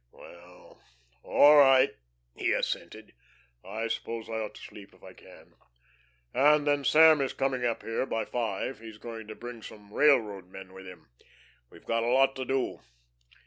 "Well, all right," he assented. "I suppose I ought to sleep if I can. And then Sam is coming up here, by five. He's going to bring some railroad men with him. We've got a lot to do.